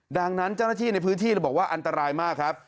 ดังนั้นเจ้าหน้าที่ในพื้นที่เลยบอกว่าอันตรายมากครับ